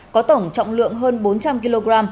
có tổng trọng lượng hơn bốn trăm linh kg